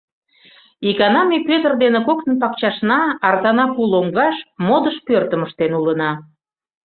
Икана ме Пӧтыр дене коктын пакчашна, артана пу лоҥгаш, модыш пӧртым ыштен улына.